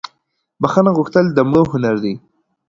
بخښنه غوښتل دمړو هنردي